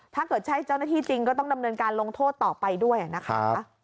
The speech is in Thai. ถ้าเกิดใช่เจ้าหน้าที่จริงก็ต้องดำเนินการลงโทษต่อไปด้วยนะคะ